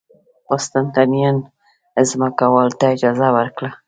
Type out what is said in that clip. قسطنطین ځمکوالو ته اجازه ورکړه